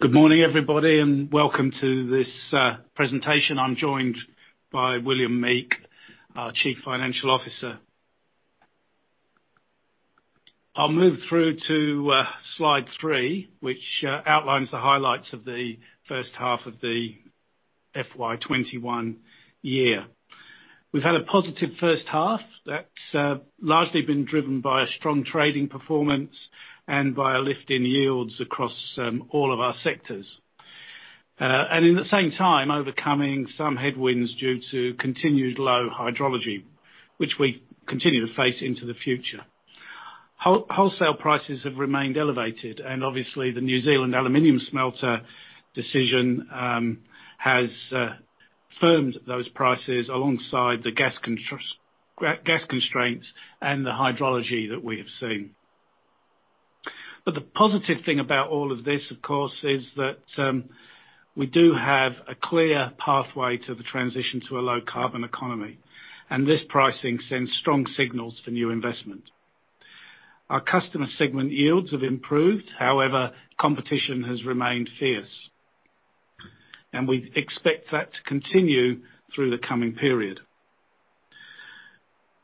Good morning, everybody, welcome to this presentation. I'm joined by William Meek, our Chief Financial Officer. I'll move through to slide three, which outlines the highlights of the first half of the FY 2021 year. We've had a positive first half that's largely been driven by a strong trading performance and by a lift in yields across all of our sectors. At the same time, overcoming some headwinds due to continued low hydrology, which we continue to face into the future. Wholesale prices have remained elevated, obviously, the New Zealand aluminium smelter decision has firmed those prices alongside the gas constraints and the hydrology that we have seen. The positive thing about all of this, of course, is that we do have a clear pathway to the transition to a low-carbon economy, and this pricing sends strong signals for new investment. Our customer segment yields have improved. Competition has remained fierce, and we expect that to continue through the coming period.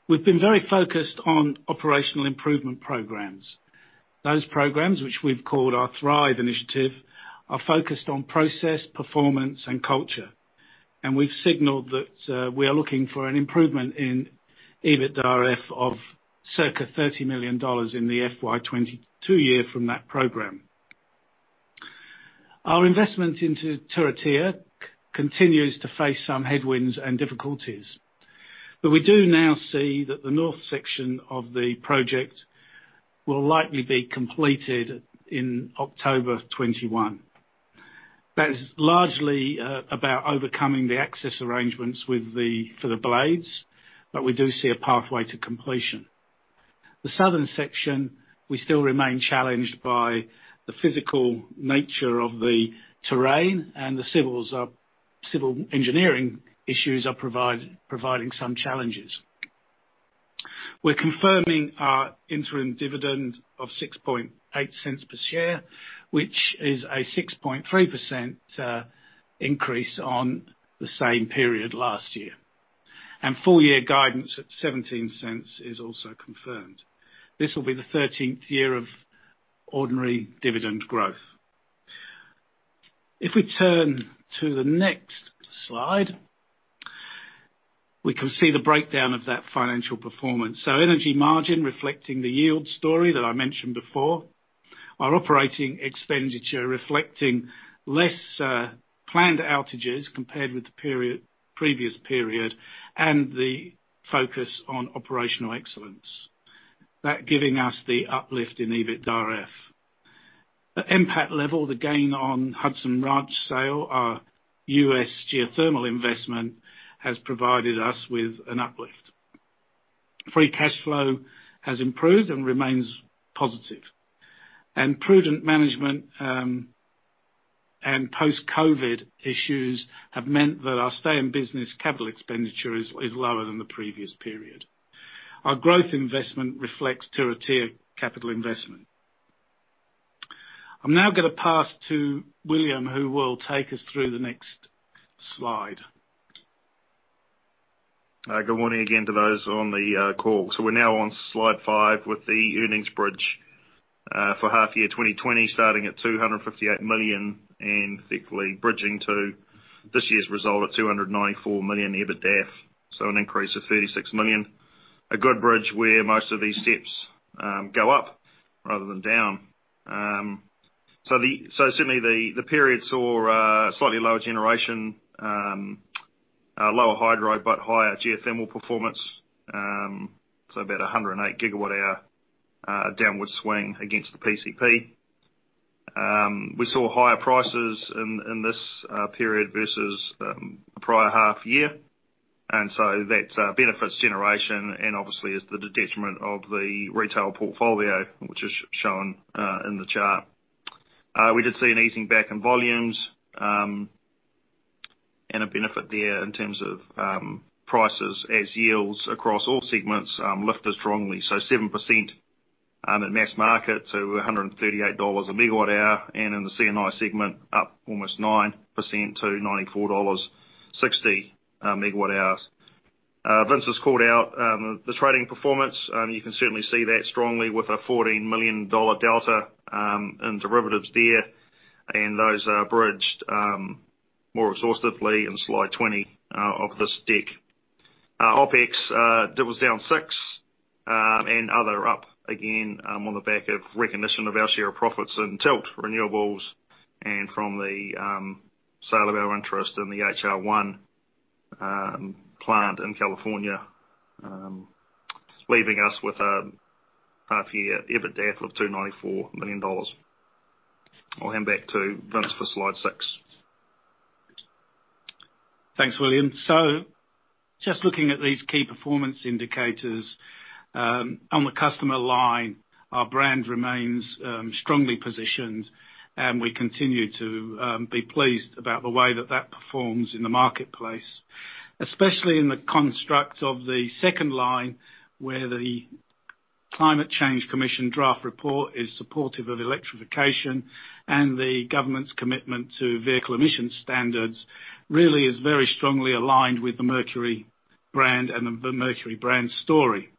We've been very focused on operational improvement programs. Those programs, which we've called our Thrive Initiative, are focused on process, performance and culture. We've signaled that we are looking for an improvement in EBITDAF of circa 30 million dollars in the FY 2022 year from that program. Our investment into Turitea continues to face some headwinds and difficulties. We do now see that the north section of the project will likely be completed in October 2021. That is largely about overcoming the access arrangements for the blades. We do see a pathway to completion. The southern section, we still remain challenged by the physical nature of the terrain. The civil engineering issues are providing some challenges. We're confirming our interim dividend of 0.068 per share, which is a 6.3% increase on the same period last year. Full-year guidance at 0.17 is also confirmed. This will be the 13th year of ordinary dividend growth. If we turn to the next slide, we can see the breakdown of that financial performance. Energy margin reflecting the yield story that I mentioned before. Our operating expenditure reflecting less planned outages compared with the previous period and the focus on operational excellence. That giving us the uplift in EBITDAF. At NPAT level, the gain on Hudson Ranch sale, our U.S. geothermal investment, has provided us with an uplift. Free cash flow has improved and remains positive. Prudent management and post-COVID issues have meant that our stay-in-business capital expenditure is lower than the previous period. Our growth investment reflects Turitea capital investment. I'm now going to pass to William, who will take us through the next slide. Good morning again to those on the call. We're now on slide five with the earnings bridge. For half year 2020, starting at 258 million and fiscally bridging to this year's result at 294 million EBITDAF, an increase of 36 million. A good bridge where most of these steps go up rather than down. Certainly the period saw slightly lower generation, lower hydro, but higher geothermal performance. About 108 gigawatt hour, a downward swing against the PCP. We saw higher prices in this period versus the prior half year, and so that benefits generation and obviously is the detriment of the retail portfolio, which is shown in the chart. We did see an easing back in volumes, and a benefit there in terms of prices as yields across all segments lifted strongly. 7% in mass market to NZD 138 a megawatt hour, and in the C&I segment, up almost 9% to NZD 94.60 megawatt hour. Vince has called out the trading performance. You can certainly see that strongly with a 14 million dollar delta in derivatives there, and those are bridged more exhaustively in slide 20 of this deck. OpEx was down six, and other up again on the back of recognition of our share of profits in Tilt Renewables and from the sale of our interest in the HR1 plant in California, leaving us with a half-year EBITDAF of 294 million dollars. I'll hand back to Vince for slide six. Thanks, William. Just looking at these key performance indicators, on the customer line, our brand remains strongly positioned, and we continue to be pleased about the way that that performs in the marketplace, especially in the construct of the second line, where the Climate Change Commission draft report is supportive of electrification and the government's commitment to vehicle emission standards really is very strongly aligned with the Mercury brand and the Mercury brand story.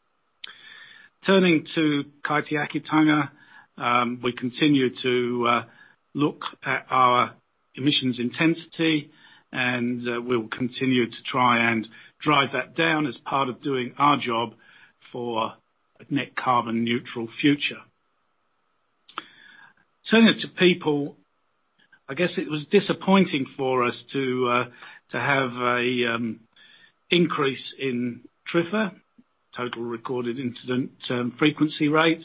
Turning to Kaitiakitanga, we continue to look at our emissions intensity, and we'll continue to try and drive that down as part of doing our job for a net carbon neutral future. Turning to people, I guess it was disappointing for us to have an increase in TRIFR, Total Recorded Incident Frequency Rate.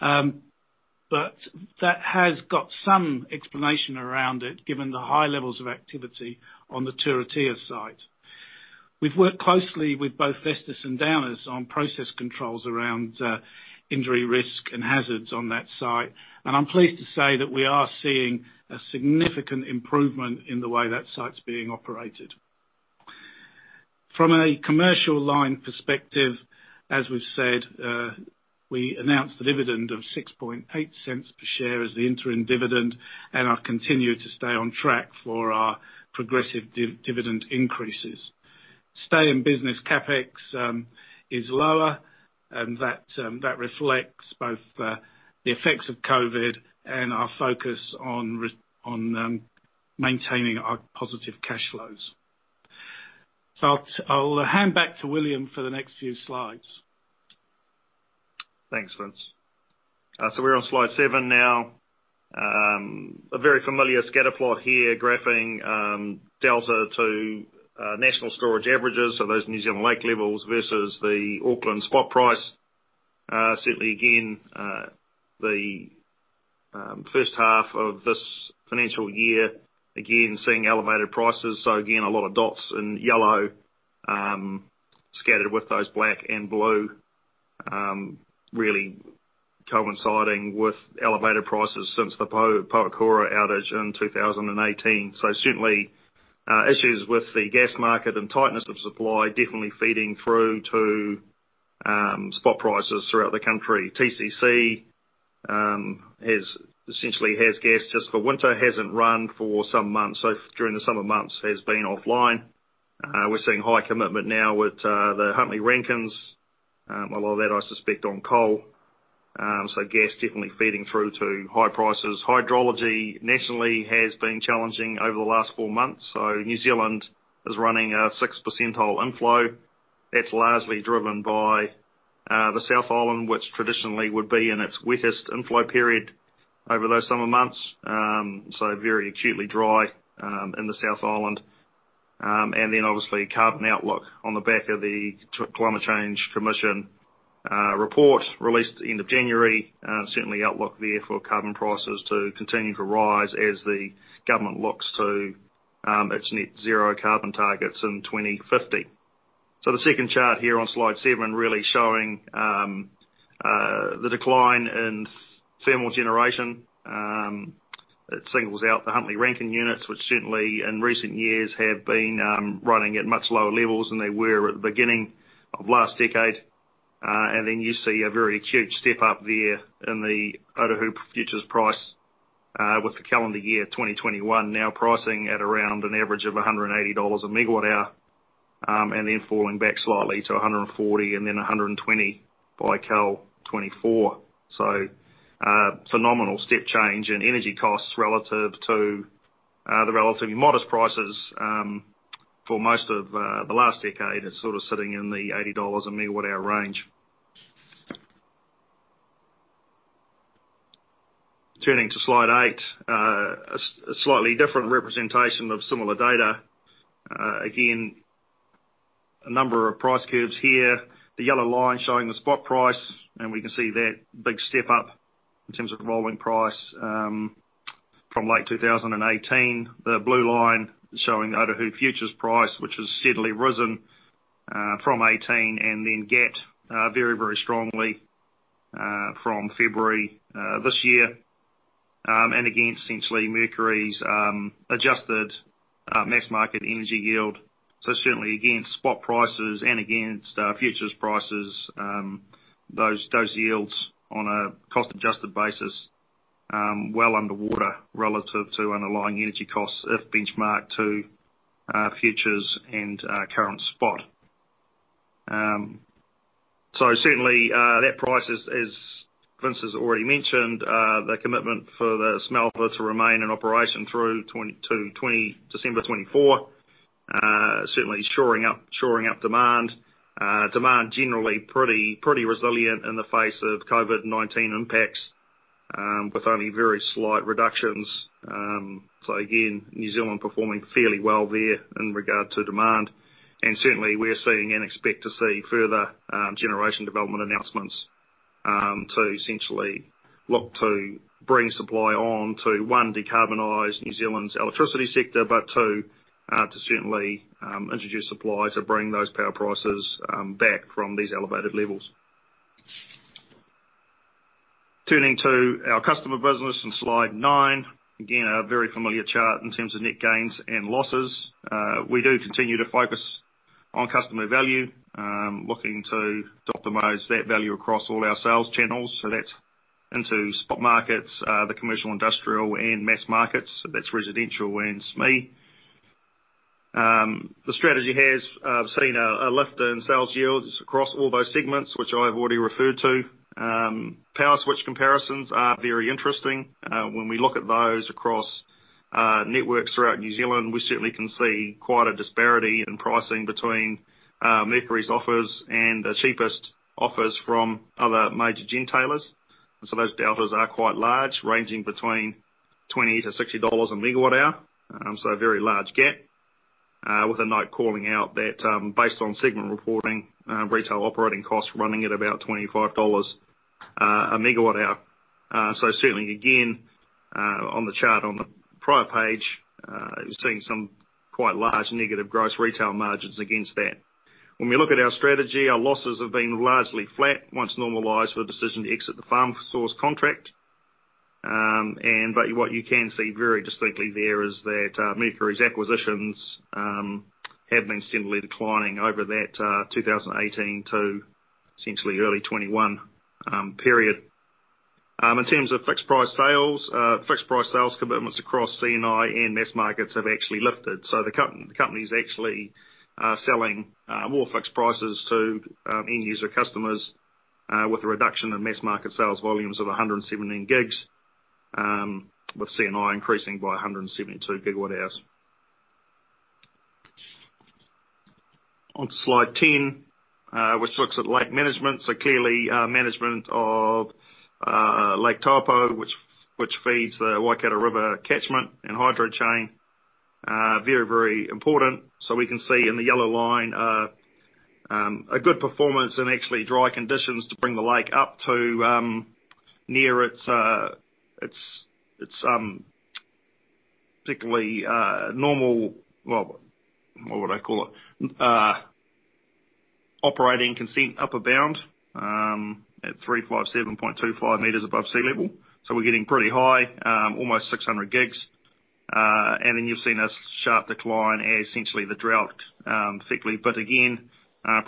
That has got some explanation around it, given the high levels of activity on the Turitea site. We've worked closely with both Vestas and Downer on process controls around injury risk and hazards on that site. I'm pleased to say that we are seeing a significant improvement in the way that site's being operated. From a commercial line perspective, as we've said, we announced the dividend of 0.068 per share as the interim dividend, and are continued to stay on track for our progressive dividend increases. Stay in business CapEx is lower, and that reflects both the effects of COVID and our focus on maintaining our positive cash flows. I'll hand back to William for the next few slides. Thanks, Vince. We're on slide seven now. A very familiar scatter plot here, graphing delta to national storage averages, so those New Zealand lake levels versus the Auckland spot price. Certainly, again, the first half of this financial year, again, seeing elevated prices. Again, a lot of dots in yellow scattered with those black and blue, really coinciding with elevated prices since the Pohokura outage in 2018. Certainly, issues with the gas market and tightness of supply definitely feeding through to spot prices throughout the country. TCC essentially has gas just for winter, hasn't run for some months. During the summer months has been offline. We're seeing high commitment now with the Huntly Rankines. A lot of that, I suspect, on coal. Gas definitely feeding through to high prices. Hydrology nationally has been challenging over the last four months. New Zealand is running a 6 percentile inflow. That's largely driven by the South Island, which traditionally would be in its wettest inflow period over those summer months. Very acutely dry in the South Island. Obviously, carbon outlook on the back of the Climate Change Commission report released at the end of January. Certainly outlook there for carbon prices to continue to rise as the government looks to its net zero carbon targets in 2050. The second chart here on slide seven really showing the decline in thermal generation. It singles out the Huntly Rankine units, which certainly in recent years have been running at much lower levels than they were at the beginning of last decade. Then you see a very acute step up there in the Otahuhu futures price with the calendar year 2021 now pricing at around an average of 180 dollars a megawatt hour, then falling back slightly to 140 and then 120 by CY24. Phenomenal step change in energy costs relative to the relatively modest prices for most of the last decade. It's sort of sitting in the 80 dollars a megawatt hour range. Turning to slide eight, a slightly different representation of similar data. A number of price curves here. The yellow line showing the spot price, we can see that big step-up in terms of rolling price from late 2018. The blue line showing the Otahuhu futures price, which has steadily risen from 2018 then gap very, very strongly from February this year. Again, essentially, Mercury's adjusted mass market energy yield. Certainly again, spot prices and against futures prices, those yields on a cost-adjusted basis, well underwater relative to underlying energy costs if benchmarked to futures and current spot. Certainly, that price is, as Vince has already mentioned, the commitment for the smelter to remain in operation through to December 2024. Certainly shoring up demand. Demand generally pretty resilient in the face of COVID-19 impacts, with only very slight reductions. Again, New Zealand performing fairly well there in regard to demand. Certainly, we are seeing and expect to see further generation development announcements to essentially look to bring supply on to, one, decarbonize New Zealand's electricity sector. Two, to certainly introduce supply to bring those power prices back from these elevated levels. Turning to our customer business on slide nine. Again, a very familiar chart in terms of net gains and losses. We do continue to focus on customer value, looking to optimize that value across all our sales channels. That's into spot markets, the commercial, industrial, and mass market, that's residential and SME. The strategy has seen a lift in sales yields across all those segments, which I've already referred to. Power switch comparisons are very interesting. When we look at those across networks throughout New Zealand, we certainly can see quite a disparity in pricing between Mercury's offers and the cheapest offers from other major gentailers. Those deltas are quite large, ranging between 20-60 dollars a megawatt hour. A very large gap, with a note calling out that based on segment reporting, retail operating costs running at about 25 dollars a megawatt hour. Certainly again, on the chart on the prior page, you're seeing some quite large negative gross retail margins against that. When we look at our strategy, our losses have been largely flat once normalized for the decision to exit the Farm Source contract. What you can see very distinctly there is that Mercury's acquisitions have been similarly declining over that 2018 to essentially early 2021 period. In terms of fixed price sales, fixed price sales commitments across C&I and mass markets have actually lifted. The company's actually selling more fixed prices to end user customers, with a reduction in mass market sales volumes of 117 gigs, with C&I increasing by 172 GWh. On slide 10, which looks at lake management. Clearly, management of Lake Taupō, which feeds the Waikato River catchment and hydro chain, very important. We can see in the yellow line, a good performance in actually dry conditions to bring the lake up to near its particularly normal operating consent upper bound at 357.25 m above sea level. We're getting pretty high, almost 600 gigs. You've seen a sharp decline as essentially the drought thickened. Again,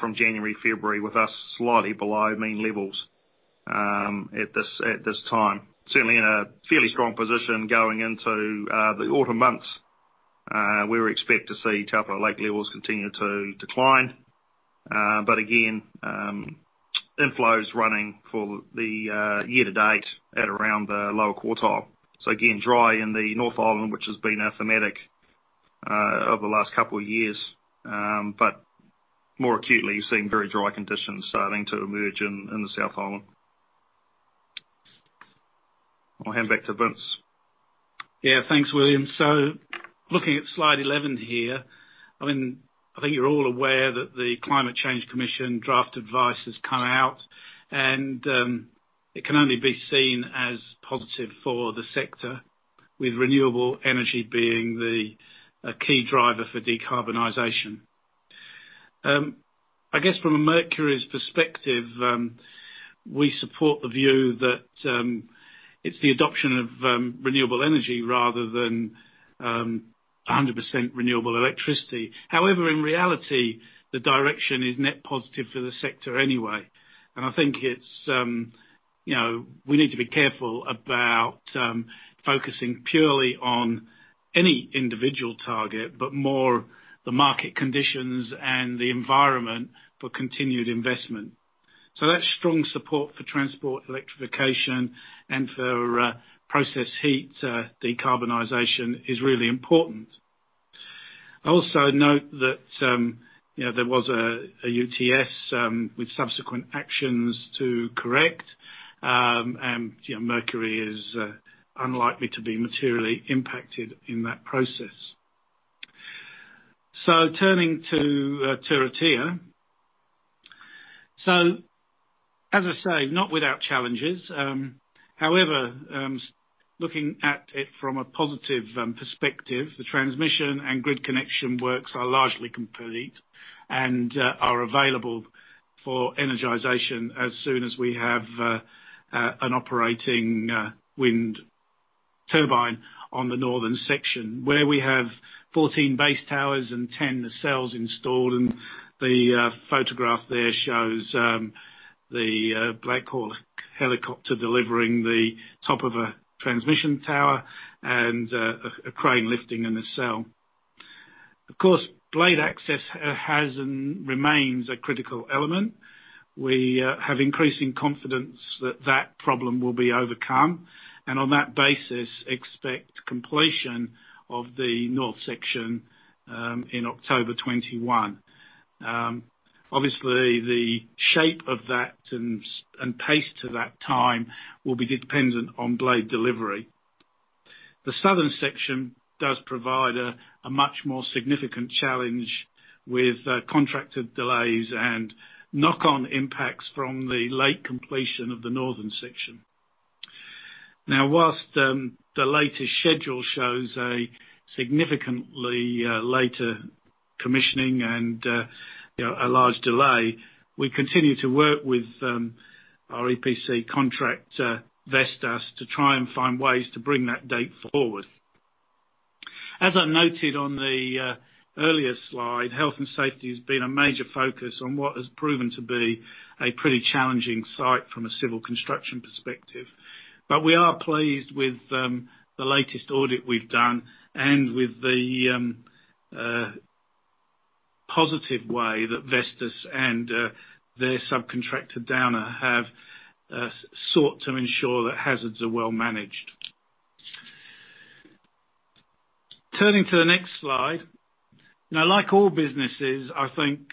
from January, February, with us slightly below mean levels at this time. Certainly in a fairly strong position going into the autumn months. We would expect to see Taupō Lake levels continue to decline. Again, inflows running for the year to date at around the lower quartile. Again, dry in the North Island, which has been a thematic over the last couple of years. More acutely, you're seeing very dry conditions starting to emerge in the South Island. I'll hand back to Vince. Yeah, thanks, William. Looking at slide 11 here, I think you're all aware that the Climate Change Commission draft advice has come out, and it can only be seen as positive for the sector, with renewable energy being the key driver for decarbonization. I guess from a Mercury's perspective, we support the view that it's the adoption of renewable energy rather than 100% renewable electricity. However, in reality, the direction is net positive for the sector anyway. I think we need to be careful about focusing purely on any individual target, but more the market conditions and the environment for continued investment. That strong support for transport electrification and for process heat decarbonization is really important. I also note that there was a UTS with subsequent actions to correct, and Mercury is unlikely to be materially impacted in that process. Turning to Turitea. As I say, not without challenges. However, looking at it from a positive perspective, the transmission and grid connection works are largely complete and are available for energization as soon as we have an operating wind turbine on the northern section, where we have 14 base towers and 10 nacelles installed. The photograph there shows the Black Hawk helicopter delivering the top of a transmission tower and a crane lifting a nacelle. Of course, blade access has and remains a critical element. We have increasing confidence that that problem will be overcome, and on that basis, expect completion of the north section in October 2021. Obviously, the shape of that and pace to that time will be dependent on blade delivery. The southern section does provide a much more significant challenge with contracted delays and knock-on impacts from the late completion of the northern section. Whilst the latest schedule shows a significantly later commissioning and a large delay, we continue to work with our EPC contractor, Vestas, to try and find ways to bring that date forward. As I noted on the earlier slide, health and safety has been a major focus on what has proven to be a pretty challenging site from a civil construction perspective. We are pleased with the latest audit we've done and with the positive way that Vestas and their subcontractor, Downer, have sought to ensure that hazards are well managed. Turning to the next slide. Like all businesses, I think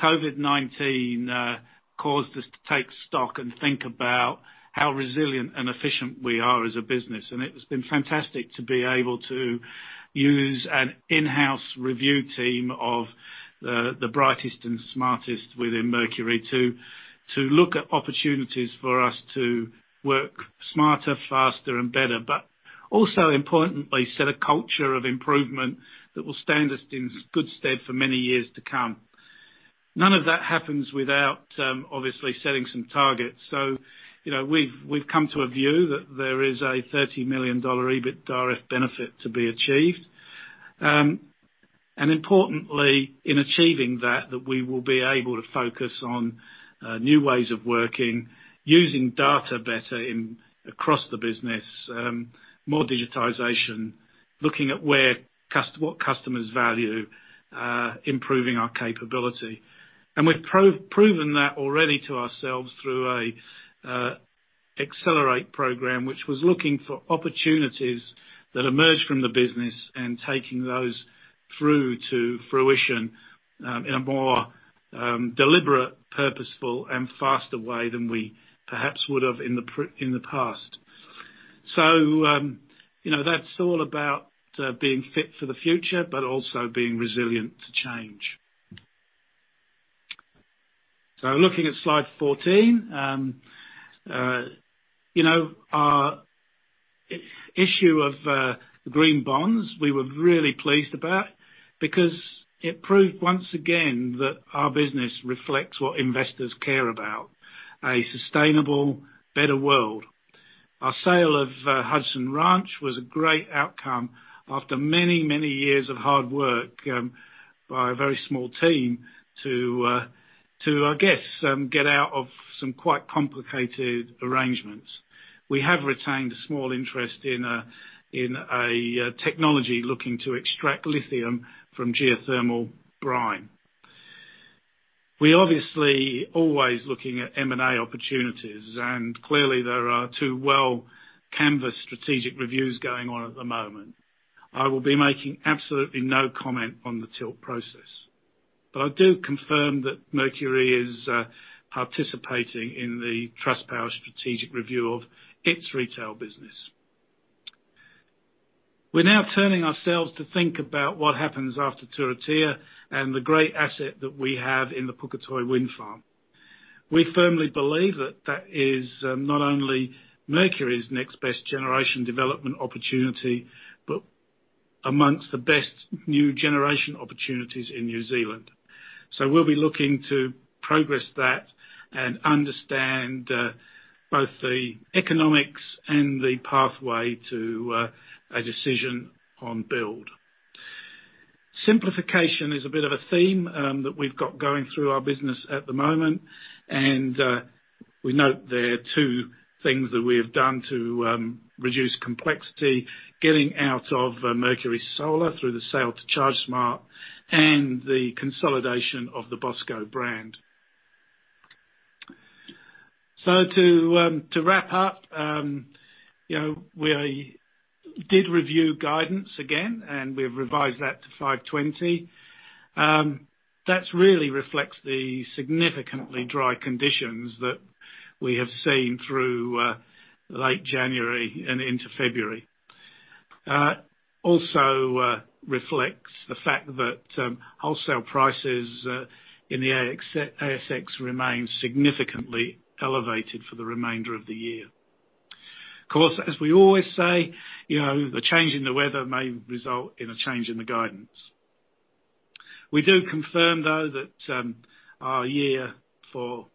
COVID-19 caused us to take stock and think about how resilient and efficient we are as a business. It has been fantastic to be able to use an in-house review team of the brightest and smartest within Mercury to look at opportunities for us to work smarter, faster and better, but also importantly, set a culture of improvement that will stand us in good stead for many years to come. None of that happens without obviously setting some targets. We've come to a view that there is a 30 million dollar EBITDAF benefit to be achieved. Importantly, in achieving that we will be able to focus on new ways of working, using data better across the business, more digitization, looking at what customers value, improving our capability. We've proven that already to ourselves through a Thrive Initiative, which was looking for opportunities that emerged from the business and taking those through to fruition, in a more deliberate, purposeful, and faster way than we perhaps would have in the past. That's all about being fit for the future, but also being resilient to change. Looking at slide 14. Our issue of the green bonds, we were really pleased about because it proved once again that our business reflects what investors care about, a sustainable, better world. Our sale of Hudson Ranch was a great outcome after many, many years of hard work, by a very small team to, I guess, get out of some quite complicated arrangements. We have retained a small interest in a technology looking to extract lithium from geothermal brine. We obviously always looking at M&A opportunities, clearly there are two well-canvassed strategic reviews going on at the moment. I will be making absolutely no comment on the Tilt process. I do confirm that Mercury is participating in the Trustpower strategic review of its retail business. We're now turning ourselves to think about what happens after Turitea and the great asset that we have in the Puketoi Wind Farm. We firmly believe that that is not only Mercury's next best generation development opportunity, but amongst the best new generation opportunities in New Zealand. We'll be looking to progress that and understand both the economics and the pathway to a decision on build. Simplification is a bit of a theme that we've got going through our business at the moment, we note there are two things that we have done to reduce complexity, getting out of Mercury Solar through the sale to ChargeSmart, and the consolidation of the Bosco brand. To wrap up, we did review guidance again, we've revised that to 520. That really reflects the significantly dry conditions that we have seen through late January and into February. Also reflects the fact that wholesale prices in the ASX remain significantly elevated for the remainder of the year. Of course, as we always say, a change in the weather may result in a change in the guidance. We do confirm, though, that our year for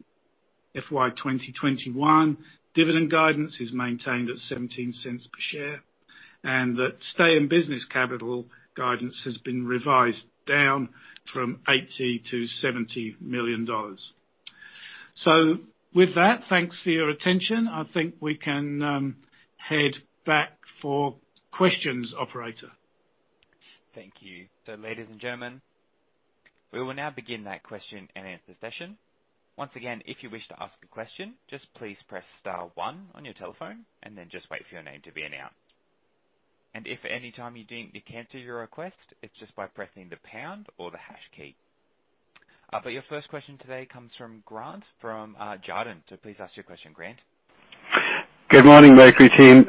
FY 2021 dividend guidance is maintained at 0.17 per share, and that stay in business capital guidance has been revised down from $80 million-$70 million. With that, thanks for your attention. I think we can head back for questions, operator. Thank you. Ladies and gentlemen, we will now begin that question and answer session. Once again, if you wish to ask a question, just please press star one on your telephone, wait for your name to be announced. If at any time you need to cancel your request, it's just by pressing the pound or the hash key. Your first question today comes from Grant from Jarden, please ask your question, Grant. Good morning, Mercury team.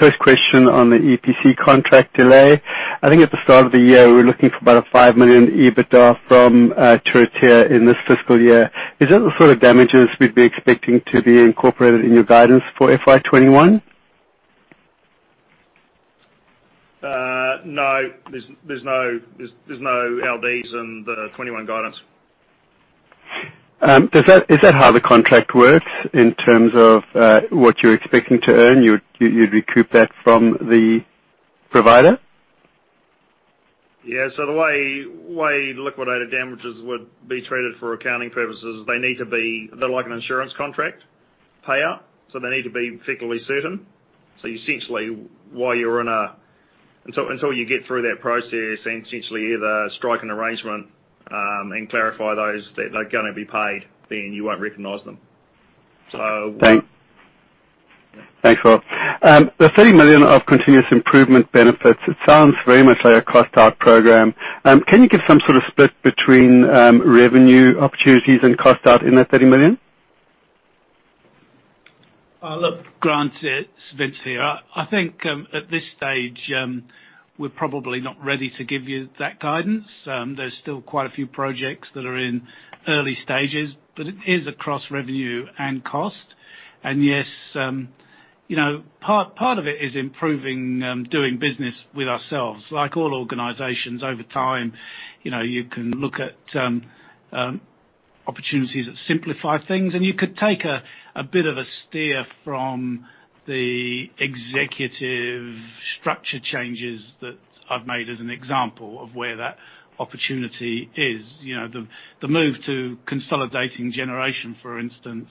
First question on the EPC contract delay. I think at the start of the year, we were looking for about a 5 million EBITDA from Turitea in this fiscal year. Is that the sort of damages we'd be expecting to be incorporated in your guidance for FY 2021? No, there's no LDs in the 2021 guidance. Is that how the contract works in terms of what you're expecting to earn? You'd recoup that from the provider? Yeah. The way liquidated damages would be treated for accounting purposes, they're like an insurance contract payout, so they need to be fiscally certain. Essentially, until you get through that process and essentially either strike an arrangement, and clarify those, that they're gonna be paid, then you won't recognize them. Thanks, Rob. The 30 million of continuous improvement benefits, it sounds very much like a cost out program. Can you give some sort of split between revenue opportunities and cost out in that 30 million? Look, Grant, it's Vince here. I think, at this stage, we're probably not ready to give you that guidance. There's still quite a few projects that are in early stages. It is across revenue and cost. Yes, part of it is improving doing business with ourselves. Like all organizations, over time, you can look at opportunities that simplify things, and you could take a bit of a steer from the executive structure changes that I've made as an example of where that opportunity is. The move to consolidating generation, for instance,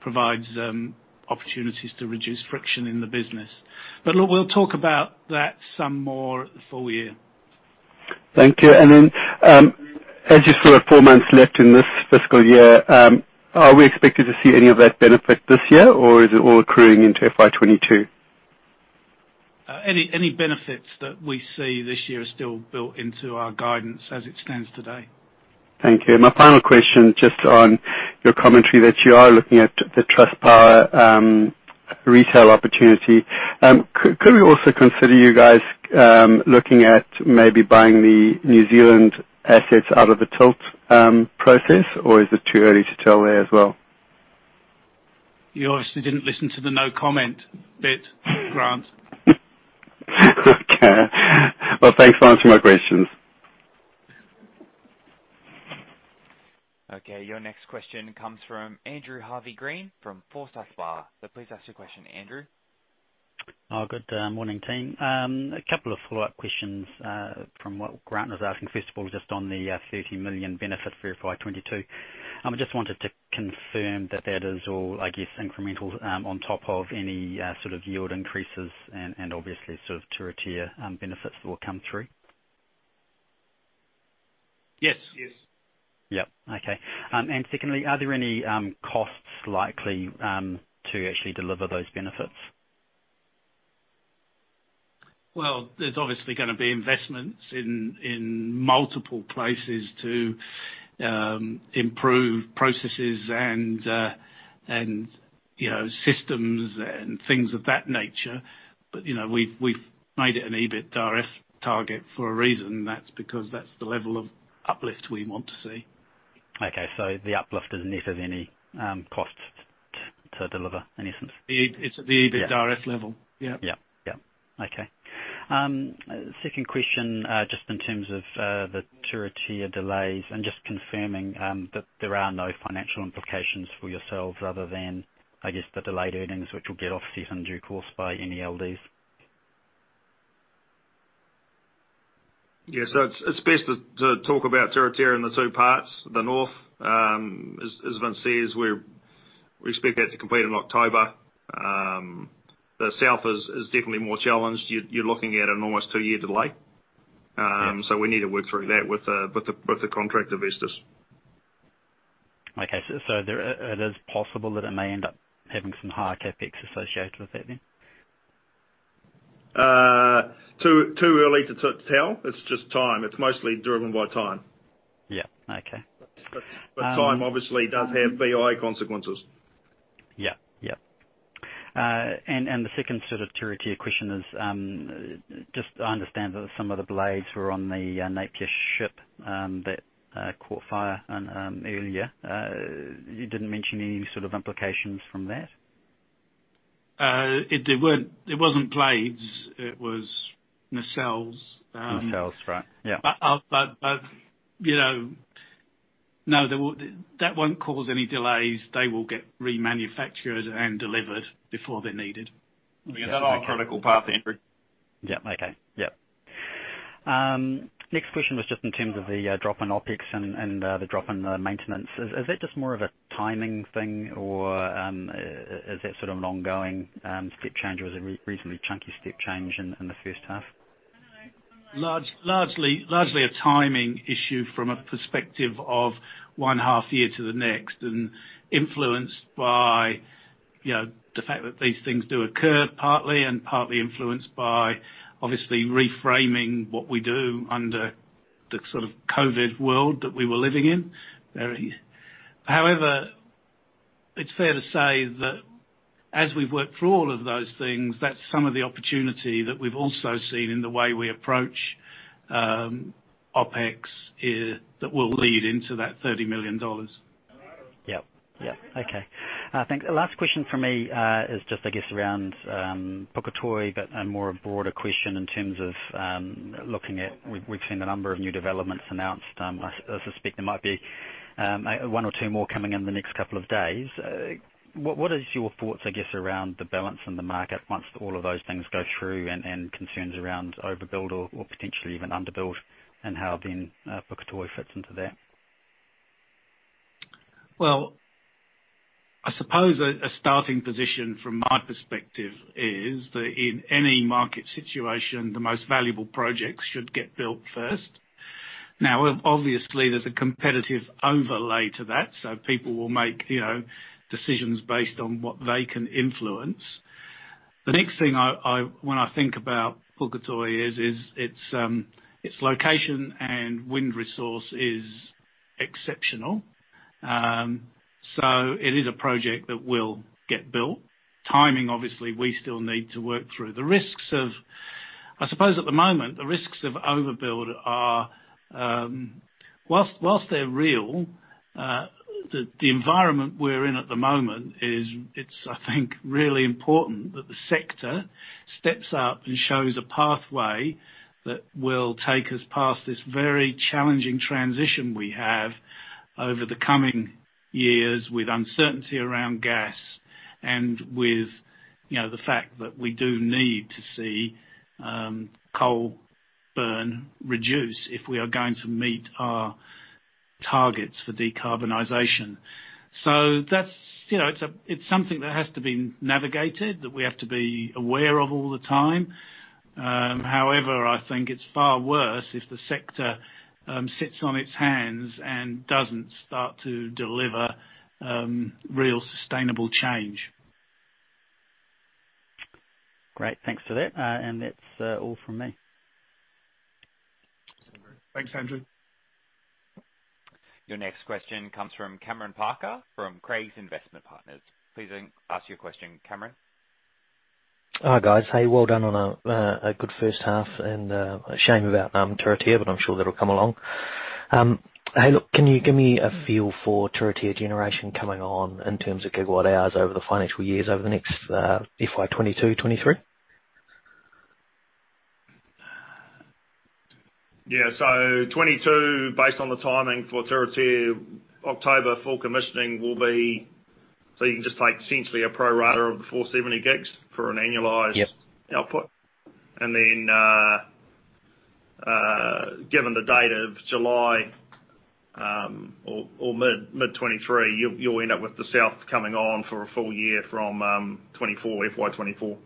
provides opportunities to reduce friction in the business. Look, we'll talk about that some more at the full year. Thank you. As you still have four months left in this fiscal year, are we expected to see any of that benefit this year, or is it all accruing into FY 2022? Any benefits that we see this year are still built into our guidance as it stands today. Thank you. My final question, just on your commentary that you are looking at the Trustpower retail opportunity. Could we also consider you guys looking at maybe buying the New Zealand assets out of the Tilt process, or is it too early to tell there as well? You obviously didn't listen to the no comment bit, Grant. Okay. Well, thanks for answering my questions. Okay, your next question comes from Andrew Harvey-Green from Forsyth Barr. Please ask your question, Andrew. Oh, good morning, team. A couple of follow-up questions, from what Grant was asking. First of all, just on the 30 million benefit for FY 2022. I just wanted to confirm that that is all, I guess, incremental, on top of any sort of yield increases and, obviously, sort of Turitea benefits that will come through. Yes. Yes. Yep. Okay. Secondly, are there any costs likely to actually deliver those benefits? Well, there's obviously gonna be investments in multiple places to improve processes and systems and things of that nature. We've made it an EBITDF target for a reason. That's because that's the level of uplift we want to see. Okay. The uplift is net of any costs to deliver, in essence? It's at the EBITDAF level. Yep. Yep. Okay. Second question, just in terms of the Turitea delays and just confirming, that there are no financial implications for yourselves other than, I guess, the delayed earnings, which will get off in due course by any LDs. It's best to talk about Turitea in the two parts. The North, as Vince says, we expect that to complete in October. The South is definitely more challenged. You're looking at an almost two-year delay. Yeah. We need to work through that with the contract investors. Okay. Is it possible that it may end up having some higher CapEx associated with that then? Too early to tell. It's just time. It's mostly driven by time. Yeah. Okay. Time obviously does have BI consequences. Yeah. The second sort of Turitea question is, just I understand that some of the blades were on the Napier ship that caught fire earlier. You didn't mention any sort of implications from that. It wasn't blades, it was nacelles. Nacelles, right. Yeah. No, that won't cause any delays. They will get remanufactured and delivered before they're needed. They're not on a critical path, Andrew. Yep. Okay. Next question was just in terms of the drop in OpEx and the drop in the maintenance. Is that just more of a timing thing, or is that sort of an ongoing step change? It was a reasonably chunky step change in the first half. Largely a timing issue from a perspective of one half year to the next and influenced by the fact that these things do occur partly and partly influenced by obviously reframing what we do under the sort of COVID world that we were living in. However, it's fair to say that as we've worked through all of those things, that's some of the opportunity that we've also seen in the way we approach OpEx is that will lead into that 30 million dollars. Yeah. Okay. I think the last question from me is just, I guess, around Puketoi, but a more broader question in terms of looking at, we've seen a number of new developments announced. I suspect there might be one or two more coming in the next couple of days. What is your thoughts, I guess, around the balance in the market once all of those things go through and concerns around overbuild or potentially even underbuild and how then Puketoi fits into that? I suppose a starting position from my perspective is that in any market situation, the most valuable projects should get built first. Obviously, there's a competitive overlay to that, so people will make decisions based on what they can influence. The next thing when I think about Puketoi is, its location and wind resource is exceptional. It is a project that will get built. Timing, obviously, we still need to work through. I suppose at the moment, the risks of overbuild are, whilst they're real, the environment we're in at the moment is, it's, I think, really important that the sector steps up and shows a pathway that will take us past this very challenging transition we have over the coming years with uncertainty around gas and with the fact that we do need to see coal burn reduce if we are going to meet our targets for decarbonization. It's something that has to be navigated, that we have to be aware of all the time. However, I think it's far worse if the sector sits on its hands and doesn't start to deliver real sustainable change. Great. Thanks for that. That's all from me. Thanks, Andrew. Your next question comes from Cameron Parker from Craigs Investment Partners. Please ask your question, Cameron. Hi, guys. Hey, well done on a good first half and a shame about Turitea, but I'm sure that'll come along. Hey, look, can you give me a feel for Turitea generation coming on in terms of gigawatt hours over the financial years over the next FY 2022, FY 2023? 2022, based on the timing for Turitea, October full commissioning will be, so you can just take essentially a pro rata of the 470 gigs for an annualized-. Yep output. Given the date of July or mid 2023, you'll end up with the south coming on for a full year from FY 2024.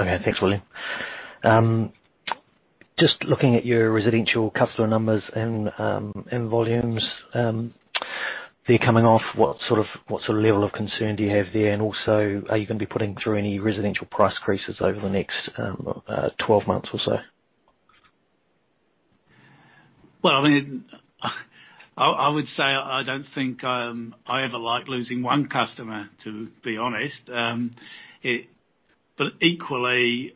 Okay. Thanks, William. Just looking at your residential customer numbers and volumes there coming off, what sort of level of concern do you have there? Are you going to be putting through any residential price increases over the next 12 months or so? Well, I would say I don't think I ever like losing one customer, to be honest. Equally,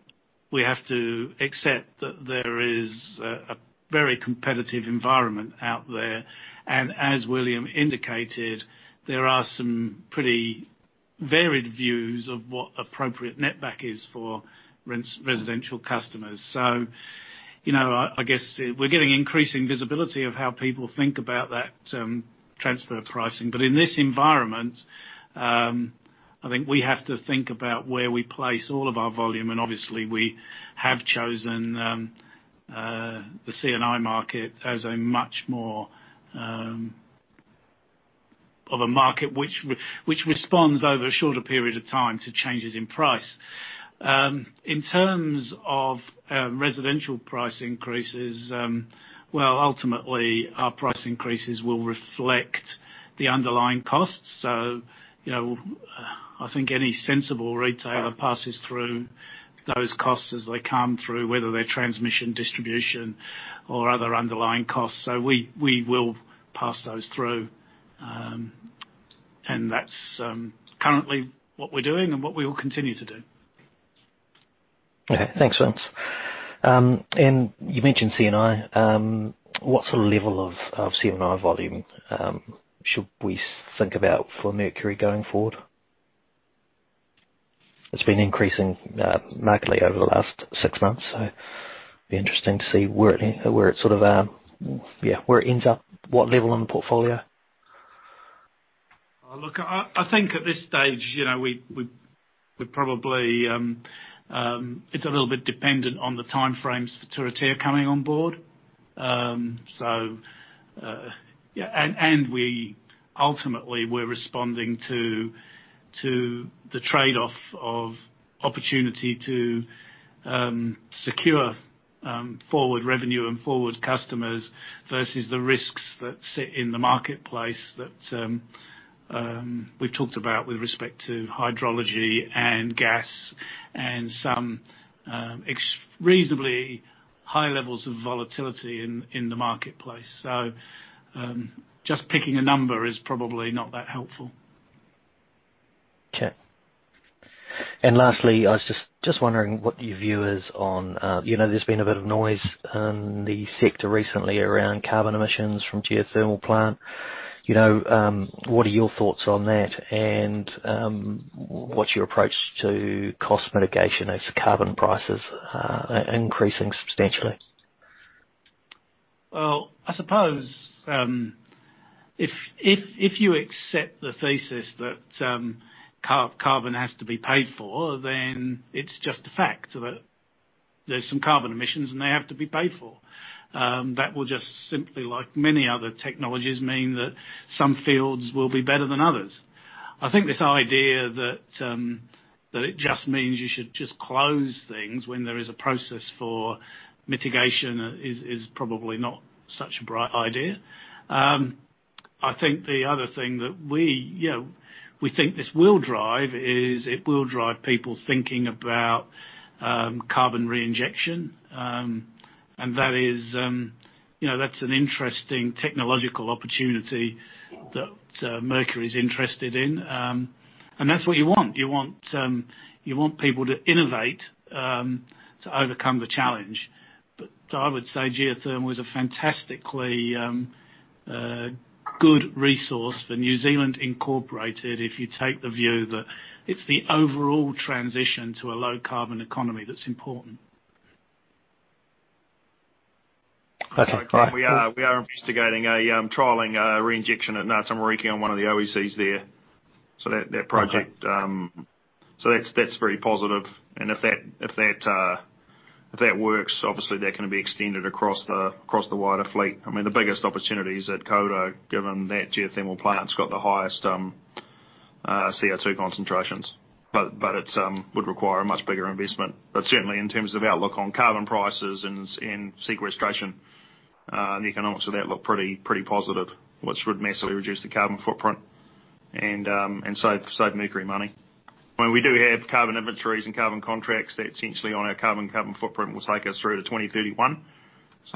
we have to accept that there is a very competitive environment out there. As William indicated, there are some pretty varied views of what appropriate netback is for residential customers. I guess we're getting increasing visibility of how people think about that transfer pricing. In this environment, I think we have to think about where we place all of our volume, and obviously we have chosen the C&I market as a much more of a market which responds over a shorter period of time to changes in price. In terms of residential price increases, well, ultimately, our price increases will reflect the underlying costs. I think any sensible retailer passes through those costs as they come through, whether they're transmission, distribution, or other underlying costs. We will pass those through. That's currently what we're doing and what we will continue to do. Okay. Thanks, Vince. You mentioned C&I. What sort of level of C&I volume should we think about for Mercury going forward? It's been increasing markedly over the last six months, so it'd be interesting to see where it ends up, what level in the portfolio. Look, I think at this stage, it's a little bit dependent on the timeframes for Turitea coming on board. We ultimately, we're responding to the trade-off of opportunity to secure forward revenue and forward customers versus the risks that sit in the marketplace that we've talked about with respect to hydrology and gas and some reasonably high levels of volatility in the marketplace. Just picking a number is probably not that helpful. Okay. Lastly, I was just wondering what your view is on, there's been a bit of noise in the sector recently around carbon emissions from geothermal plant. What are your thoughts on that and what's your approach to cost mitigation as the carbon price is increasing substantially? Well, I suppose, if you accept the thesis that carbon has to be paid for, then it's just a fact that there's some carbon emissions, and they have to be paid for. That will just simply, like many other technologies, mean that some fields will be better than others. I think this idea that it just means you should just close things when there is a process for mitigation is probably not such a bright idea. I think the other thing that we think this will drive is, it will drive people thinking about carbon reinjection. That's an interesting technological opportunity that Mercury's interested in. That's what you want. You want people to innovate to overcome the challenge. I would say geothermal is a fantastically good resource for New Zealand Incorporated if you take the view that it's the overall transition to a low-carbon economy that's important. Okay. All right. Cool. We are investigating trialing reinjection at Ngatamariki on one of the OECs there. Okay. That's very positive. If that works, obviously that can be extended across the wider fleet. The biggest opportunity is at Kawerau, given that geothermal plant's got the highest CO2 concentrations. It would require a much bigger investment. Certainly, in terms of outlook on carbon prices and sequestration, the economics of that look pretty positive, which would massively reduce the carbon footprint and save Mercury money. We do have carbon inventories and carbon contracts that essentially on our carbon footprint will take us through to 2031.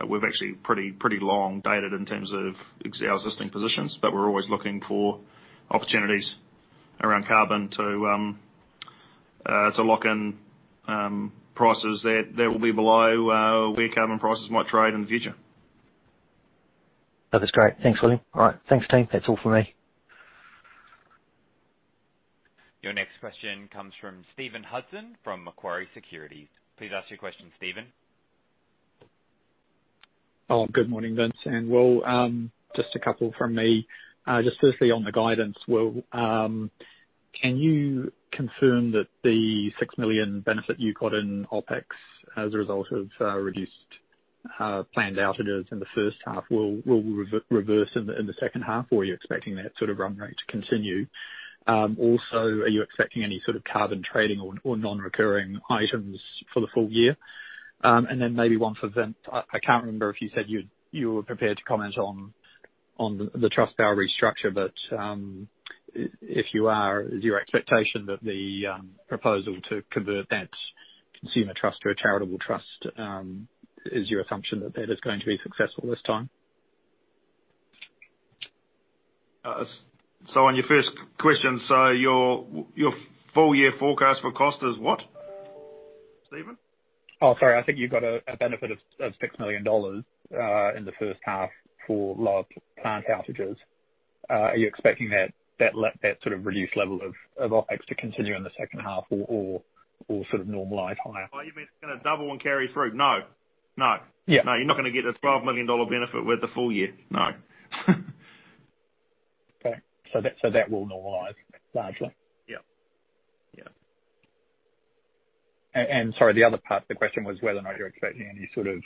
We're actually pretty long-dated in terms of our existing positions, but we're always looking for opportunities around carbon to lock in prices that will be below where carbon prices might trade in the future. That is great. Thanks, William. All right. Thanks, team. That's all from me. Your next question comes from Stephen Hudson from Macquarie Securities. Please ask your question, Stephen. Good morning, Vince and Will. Just a couple from me. Just firstly, on the guidance, Will, can you confirm that the 6 million benefit you got in OpEx as a result of reduced planned outages in the first half will reverse in the second half? Are you expecting that sort of run rate to continue? Are you expecting any sort of carbon trading or non-recurring items for the full year? Maybe one for Vince. I can't remember if you said you were prepared to comment on the Trustpower restructure. If you are, is your expectation that the proposal to convert that consumer trust to a charitable trust, is your assumption that that is going to be successful this time? On your first question, so your full-year forecast for cost is what, Stephen? Oh, sorry. I think you got a benefit of 6 million dollars in the first half for low plant outages. Are you expecting that sort of reduced level of OpEx to continue in the second half or sort of normalize higher? Oh, you mean it's going to double and carry through? No. Yeah. No, you're not going to get a 12 million dollar benefit worth the full year. No. Okay. That will normalize largely? Yeah. Sorry, the other part of the question was whether or not you're expecting any sort of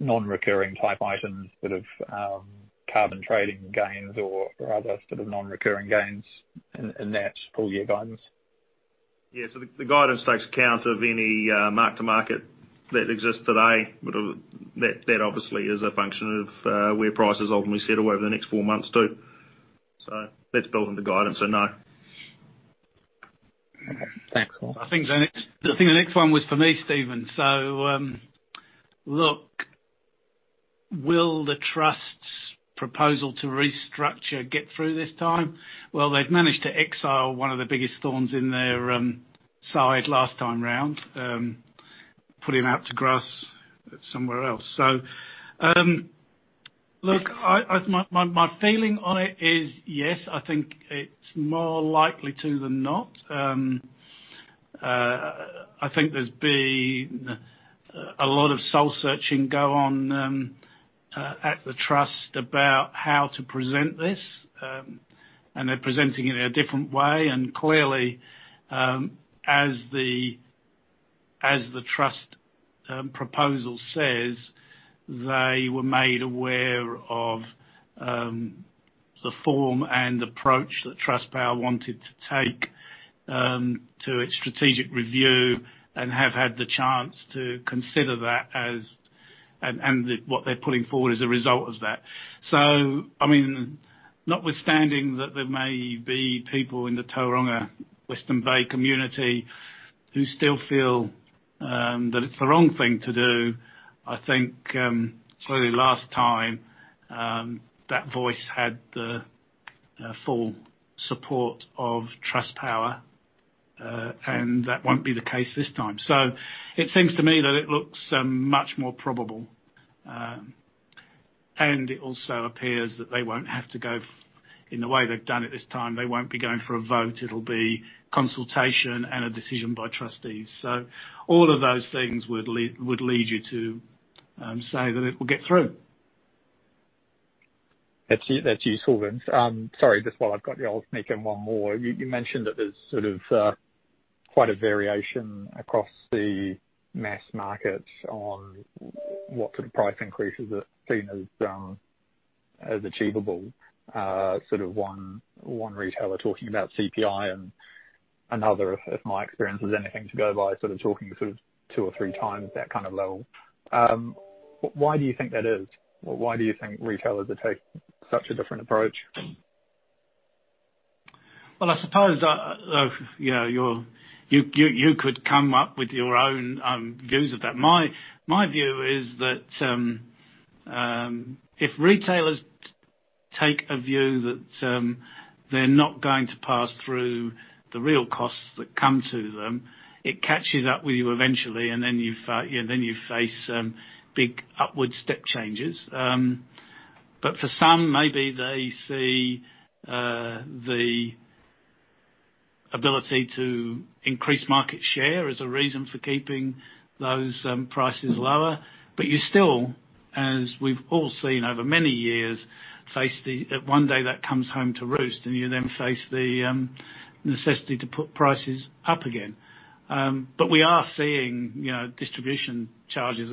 non-recurring type items, sort of carbon trading gains or other sort of non-recurring gains in that full-year guidance. Yeah. The guidance takes account of any mark to market that exists today. That obviously is a function of where price is ultimately set over the next four months, too. That's built into guidance, so no. Okay. Thanks, Will. I think the next one was for me, Stephen. Look, will the trust's proposal to restructure get through this time? Well, they've managed to exile one of the biggest thorns in their side last time around, put him out to grass somewhere else. Look, my feeling on it is, yes, I think it's more likely to than not. I think there's been a lot of soul-searching go on at the trust about how to present this, and they're presenting it a different way. Clearly, as the trust proposal says, they were made aware of the form and approach that Trustpower wanted to take to its strategic review and have had the chance to consider that and what they're putting forward as a result of that. Notwithstanding that there may be people in the Tauranga, Western Bay community who still feel that it's the wrong thing to do. I think clearly last time, that voice had the full support of Trustpower. That won't be the case this time. It seems to me that it looks much more probable. It also appears that they won't have to go in the way they've done it this time. They won't be going for a vote. It'll be consultation and a decision by trustees. All of those things would lead you to say that it will get through. That's useful, Vince. Sorry, just while I've got you, I'll sneak in one more. You mentioned that there's sort of quite a variation across the mass market on what sort of price increases are seen as achievable. Sort of one retailer talking about CPI and another, if my experience is anything to go by, sort of talking sort of two or three times that kind of level. Why do you think that is? Why do you think retailers are taking such a different approach? Well, I suppose, you could come up with your own views of that. My view is that, if retailers take a view that they're not going to pass through the real costs that come to them, it catches up with you eventually, and then you face some big upward step changes. For some, maybe they see the ability to increase market share as a reason for keeping those prices lower. You still, as we've all seen over many years, one day that comes home to roost and you then face the necessity to put prices up again. We are seeing distribution charges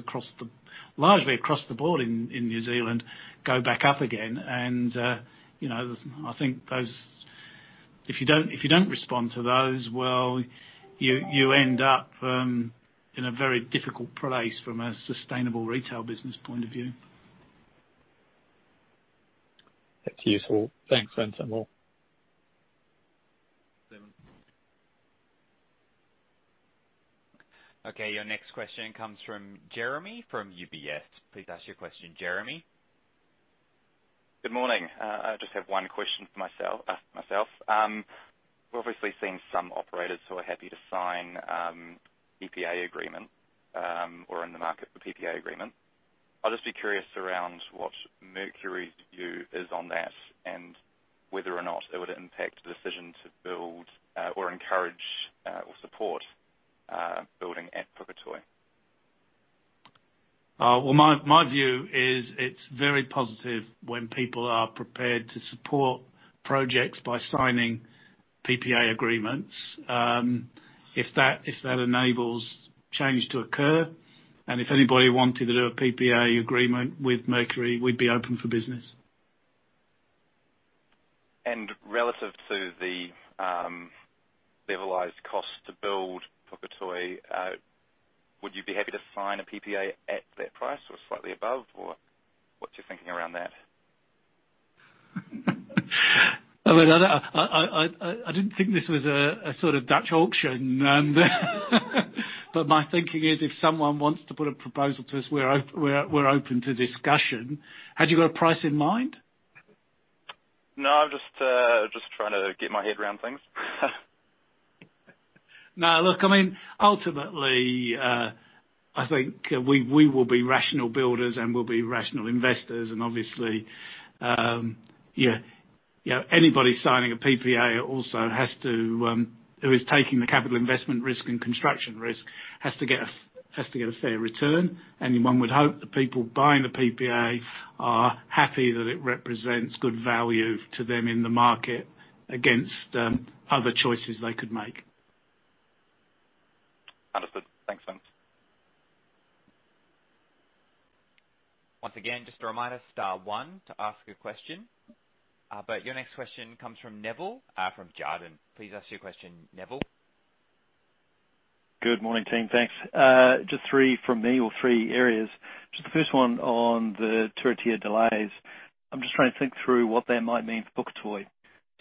largely across the board in New Zealand go back up again. I think if you don't respond to those, well, you end up in a very difficult place from a sustainable retail business point of view. That's useful. Thanks, Vince. One more. Okay, your next question comes from Jeremy from UBS. Please ask your question, Jeremy. Good morning. I just have one question for myself. We're obviously seeing some operators who are happy to sign PPA agreement or are in the market for PPA agreement. I'll just be curious around what Mercury's view is on that and whether or not it would impact a decision to build or encourage or support building at Puketoi. Well, my view is it's very positive when people are prepared to support projects by signing PPA agreements. If that enables change to occur, and if anybody wanted to do a PPA agreement with Mercury, we'd be open for business. Relative to the levelized cost to build Puketoi, would you be happy to sign a PPA at that price or slightly above? Or what's your thinking around that? I mean, I didn't think this was a sort of Dutch auction. My thinking is if someone wants to put a proposal to us, we're open to discussion. Had you got a price in mind? No, just trying to get my head around things. No, look, I mean, ultimately, I think we will be rational builders, and we'll be rational investors. Obviously, anybody signing a PPA also who is taking the capital investment risk and construction risk, has to get a fair return. One would hope the people buying the PPA are happy that it represents good value to them in the market against other choices they could make. Understood. Thanks, Vince. Once again, just a reminder, star one to ask a question. Your next question comes from Nevill from Jarden. Please ask your question, Nevill. Good morning, team. Thanks. Just three from me or three areas. Just the first one on the Turitea delays. I'm just trying to think through what that might mean for Puketoi.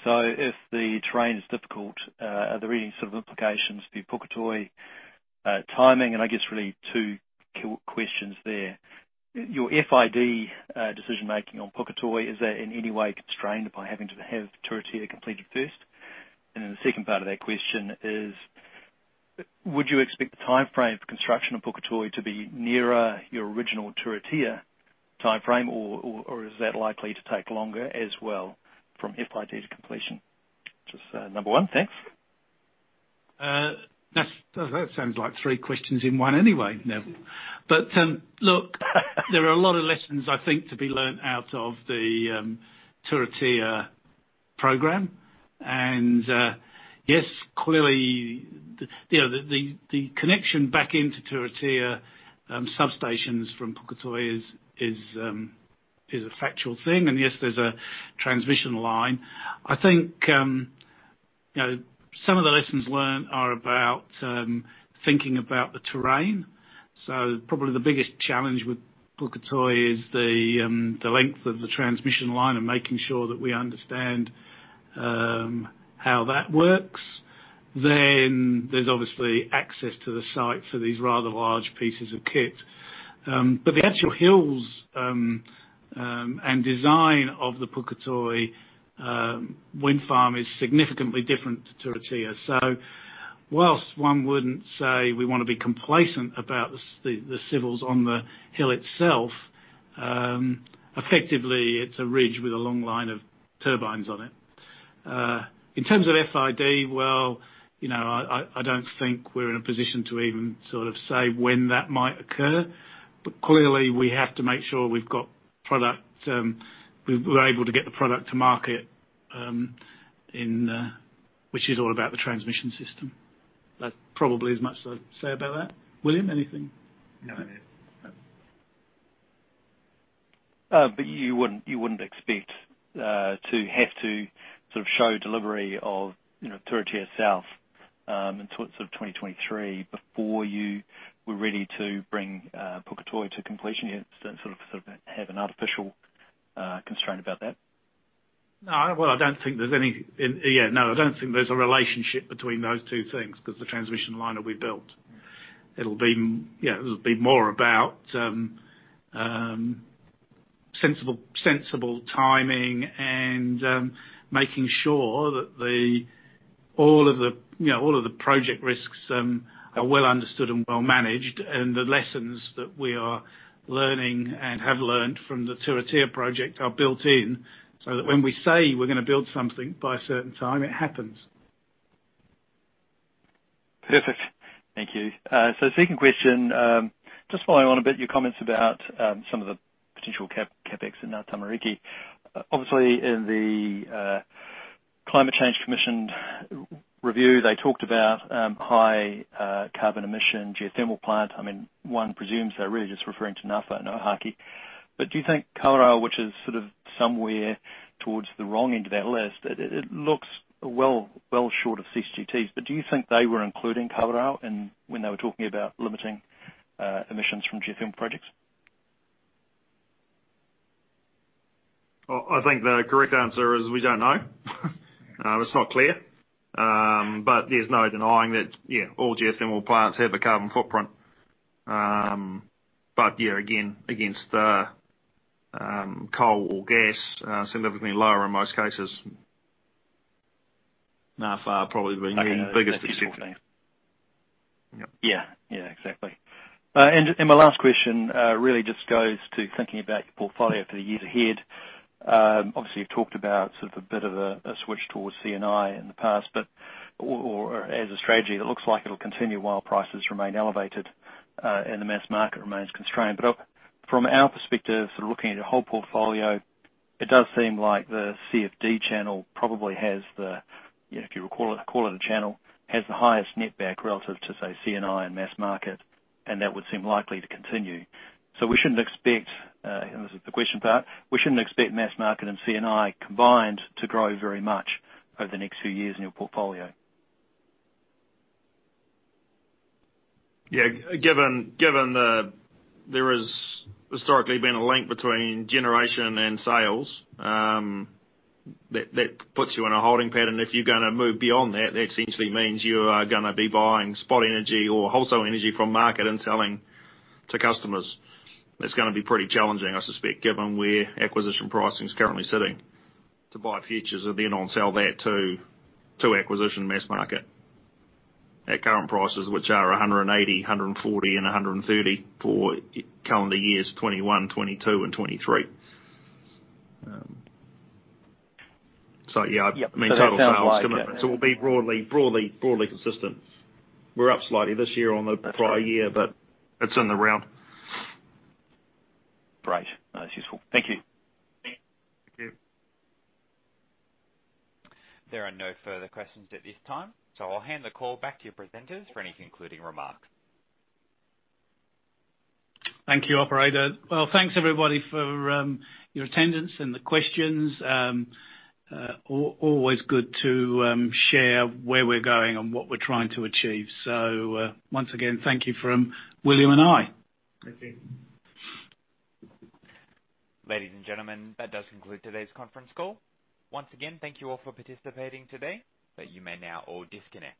If the terrain is difficult, are there any sort of implications to your Puketoi timing? I guess really two questions there. Your FID decision-making on Puketoi, is that in any way constrained by having to have Turitea completed first? The second part of that question is, would you expect the timeframe for construction of Puketoi to be nearer your original Turitea timeframe, or is that likely to take longer as well from FID to completion? Just number one. Thanks. That sounds like three questions in one anyway, Nevill. There are a lot of lessons, I think, to be learned out of the Turitea program. Yes, clearly, the connection back into Turitea substations from Puketoi is a factual thing. Yes, there's a transmission line. I think some of the lessons learned are about thinking about the terrain. Probably the biggest challenge with Puketoi is the length of the transmission line and making sure that we understand how that works. There's obviously access to the site for these rather large pieces of kit. The actual hills and design of the Puketoi wind farm is significantly different to Turitea. Whilst one wouldn't say we want to be complacent about the civils on the hill itself, effectively it's a ridge with a long line of turbines on it. In terms of FID, well, I don't think we're in a position to even say when that might occur. Clearly we have to make sure we're able to get the product to market, which is all about the transmission system. That's probably as much as I'd say about that. William, anything? No. You wouldn't expect to have to show delivery of Turitea South until 2023 before you were ready to bring Puketoi to completion. You don't have an artificial constraint about that? No, I don't think there's a relationship between those two things because the transmission line will be built. It'll be more about sensible timing and making sure that all of the project risks are well understood and well managed. The lessons that we are learning and have learned from the Turitea project are built in, so that when we say we're going to build something by a certain time, it happens. Perfect. Thank you. Second question, just following on a bit your comments about some of the potential CapEx in Ngatamariki. Obviously, in the Climate Change Commission review, they talked about high carbon emission geothermal plant. One presumes they're really just referring to Wairakei. Do you think Kawerau, which is sort of somewhere towards the wrong end of that list, it looks well short of CCC's. Do you think they were including Kawerau when they were talking about limiting emissions from geothermal projects? I think the correct answer is we don't know. It's not clear. There's no denying that all geothermal plants have a carbon footprint. Again, against coal or gas, significantly lower in most cases. Ngawha probably being the biggest exception. Okay. Yeah, exactly. My last question really just goes to thinking about your portfolio for the years ahead. Obviously, you've talked about a bit of a switch towards C&I in the past. As a strategy, it looks like it'll continue while prices remain elevated and the mass market remains constrained. From our perspective, looking at your whole portfolio, it does seem like the CFD channel probably has the, if you call it a channel, has the highest net back relative to, say, C&I and mass market, and that would seem likely to continue. We shouldn't expect, and this is the question part, we shouldn't expect mass market and C&I combined to grow very much over the next few years in your portfolio? Yeah. Given there has historically been a link between generation and sales, that puts you in a holding pattern. If you're gonna move beyond that essentially means you are gonna be buying spot energy or wholesale energy from market and selling to customers. It's gonna be pretty challenging, I suspect, given where acquisition pricing is currently sitting to buy futures and then on-sell that to acquisition mass market at current prices, which are 180, 140 and 130 for calendar years 2021, 2022 and 2023. Yeah. Total sales commitment. We'll be broadly consistent. We're up slightly this year on the prior year, but it's in the round. Great. That's useful. Thank you. Thank you. Thank you. There are no further questions at this time, so I'll hand the call back to your presenters for any concluding remarks. Thank you, operator. Well, thanks everybody for your attendance and the questions. Always good to share where we're going and what we're trying to achieve. Once again, thank you from William and I. Thank you. Ladies and gentlemen, that does conclude today's conference call. Once again, thank you all for participating today, but you may now all disconnect.